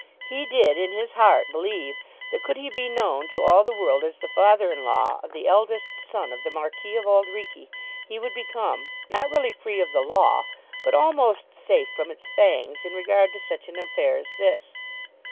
He did in his heart believe that could he be known to all the world as the father in law of the eldest son of the Marquis of Auld Reekie he would become, not really free of the law, but almost safe from its fangs in regard to such an affair as this.